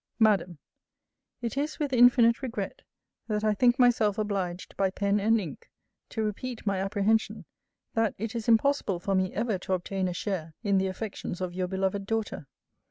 MADAM, It is with infinite regret that I think myself obliged, by pen and ink, to repeat my apprehension, that it is impossible for me ever to obtain a share in the affections of your beloved daughter.